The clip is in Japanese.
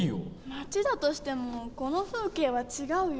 町だとしてもこの風景は違うよ。